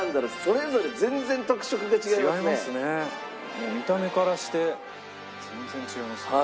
もう見た目からして全然違いますね。